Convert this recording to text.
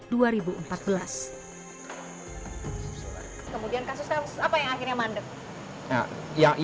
kemudian kasus apa yang akhirnya mandet